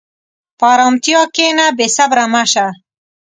په ارامتیا کښېنه، بېصبره مه شه.